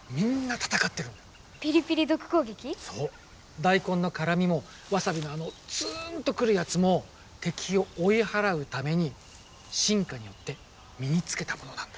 大根の辛みもわさびのあのツンと来るやつも敵を追い払うために進化によって身につけたものなんだ。